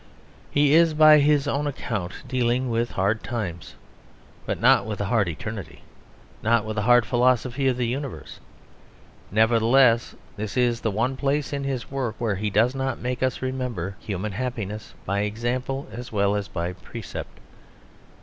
He is by his own account dealing with hard times, but not with a hard eternity, not with a hard philosophy of the universe. Nevertheless, this is the one place in his work where he does not make us remember human happiness by example as well as by precept.